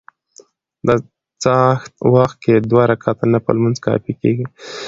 د څاښت وخت کي دوه رکعته نفل لمونځ کافي کيږي